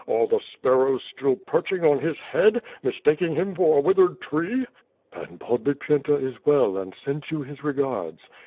Are the sparrows still perching on his head, mistaking him for a withered tree? "Pan Podbipyenta is well and sends you his regards."